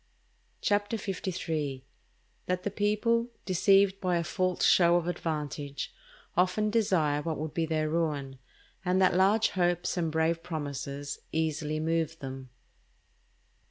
CHAPTER LIII.—_That the People, deceived by a false show of Advantage, often desire what would be their Ruin; and that large Hopes and brave Promises easily move them_.